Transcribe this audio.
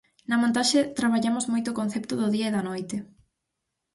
Na montaxe traballamos moito o concepto do día e da noite.